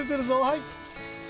はい！